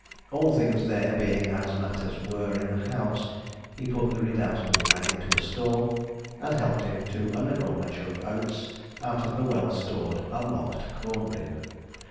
All things there being as matters were in the house, he put the redoubtable nag into a stall, and helped him to a liberal measure of oats out of the well stored unlocked corn bin.